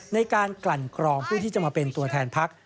ในการกลั่นกรองผู้ที่จะมาเป็นตัวแทนพัก